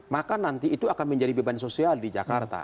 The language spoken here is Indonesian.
maka nanti itu akan menjadi beban sosial di jakarta